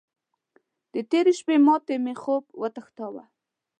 د تېرې شپې ماتې مې خوب وتښتاوو.